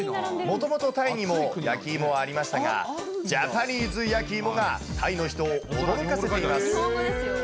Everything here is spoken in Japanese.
もともとタイにも焼きいもはありましたが、ジャパニーズ焼きいもがタイの人を驚かせています。